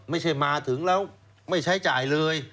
ไม่ใช่มาถึงแล้วไม่ใช้จ่ายเลย